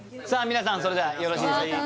皆さんそれではよろしいでしょうか？